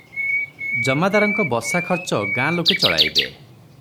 "ଜମାଦାରଙ୍କ ବସା ଖର୍ଚ୍ଚ ଗାଁ ଲୋକେ ଚଳାଇବେ ।